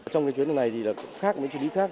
trong chuyến này thì khác những chú ý khác